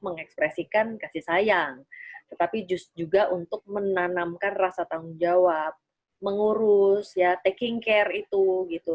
mengekspresikan kasih sayang tetapi just juga untuk menanamkan rasa tanggung jawab mengurus ya taking care itu gitu